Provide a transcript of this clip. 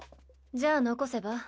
じゃあ残せば？